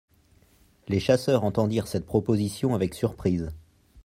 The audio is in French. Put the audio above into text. Les chasseurs entendirent cette proposition avec surprise.